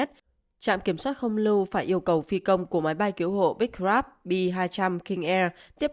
trạm kiểm soát không lâu phải yêu cầu phi công của máy bay cứu hộ big crab b hai trăm linh king air tiếp